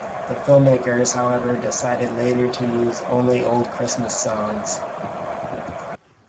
The filmmakers however decided later to use only old Christmas songs.